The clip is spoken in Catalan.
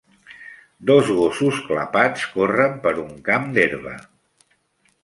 Dos gossos clapats corren per un camp d'herba.